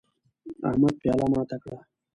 احمد پیاله ماته کړه